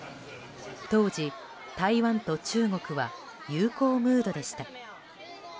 当時、台湾と中国は友好ムードでした。